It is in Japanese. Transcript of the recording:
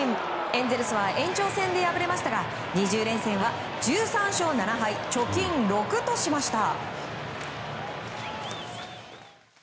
エンゼルスは延長戦で敗れましたが２０連戦は１３勝７敗貯金６としました。